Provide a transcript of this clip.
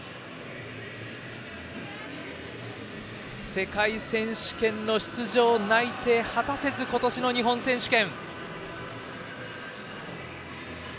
世界選手権の出場内定を果たせず今年の日本選手権。